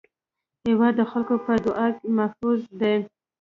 هېواد د خلکو په دعا کې محفوظ دی.